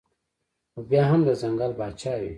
خو بيا هم د ځنګل باچا وي